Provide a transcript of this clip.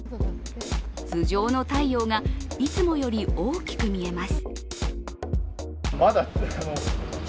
頭上の太陽がいつもより大きく見えます。